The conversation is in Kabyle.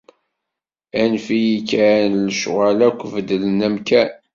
Anef-iyi kan lecɣal akk beddlen amkan.